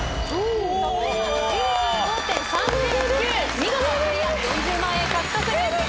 見事クリア４０万円獲得です。